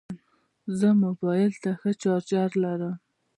زما موبایل ته ښه چارجر لرم.